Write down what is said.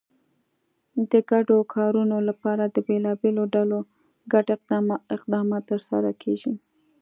د ګډو کارونو لپاره د بېلابېلو ډلو ګډ اقدامات ترسره کېږي.